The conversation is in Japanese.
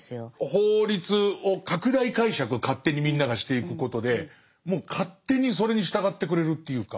法律を拡大解釈を勝手にみんながしていくことでもう勝手にそれに従ってくれるっていうか。